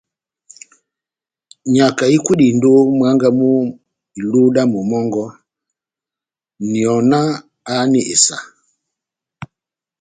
Nyaka ikwedindini ó mwángá mú iluhu dá momó wɔngɔ, nyɔ na háhani esa.